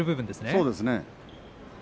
そうですね。